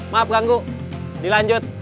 maaf ganggu dilanjut